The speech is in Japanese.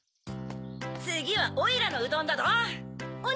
つぎはおいらのうどんだどん！